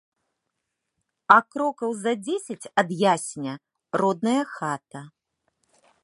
А крокаў за дзесяць ад ясеня родная хата.